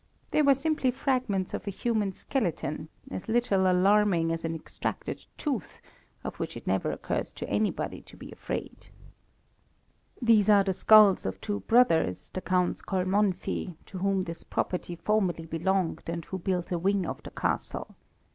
They were simply fragments of a human skeleton, as little alarming as an extracted tooth, of which it never occurs to anybody to be afraid. "These are the skulls of two brothers, the Counts Kalmanffy, to whom this property formerly belonged, and who built a wing of the castle.